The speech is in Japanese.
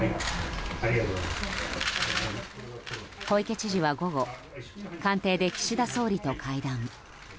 小池知事は午後、官邸で岸田総理と会談。